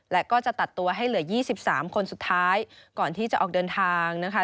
และก็จะตัดตัวให้เหลือ๒๓คนสุดท้ายก่อนที่จะออกเดินทางนะคะ